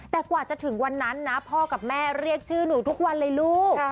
แต่กว่าจะถึงวันนั้นนะพ่อกับแม่เรียกชื่อหนูทุกวันเลยลูก